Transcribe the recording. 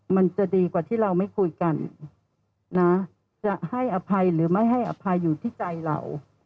มันจะดีกว่าที่เราไม่คุยกันนะจะให้อภัยหรือไม่ให้อภัยอยู่ที่ใจเรา